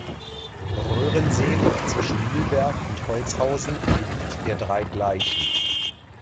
Röhrensee liegt zwischen Mühlberg und Holzhausen im Gebiet der Drei Gleichen.